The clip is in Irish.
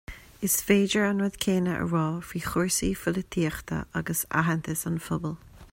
Is féidir an rud céanna a rá faoi chúrsaí pholaitíochta agus aitheantas an phobail